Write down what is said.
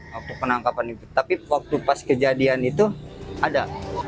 waktu penangkapan itu tapi waktu pas kejadian itu ada